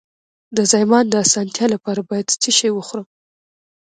د زایمان د اسانتیا لپاره باید څه شی وخورم؟